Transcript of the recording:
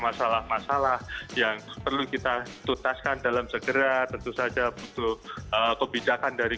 masalah masalah yang perlu kita tutaskan dalam segera tentu saja butuh kebijakan dari kota dan masyarakat yang berada di dalam komite ini